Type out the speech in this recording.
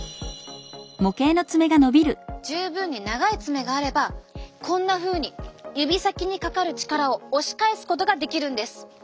十分に長い爪があればこんなふうに指先にかかる力を押し返すことができるんです。